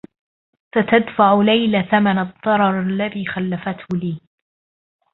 ستدفع ليلى ثمن الضّرر الذي خلّفته لي.